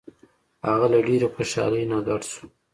هغه له ډیرې خوشحالۍ نه ګډ شو.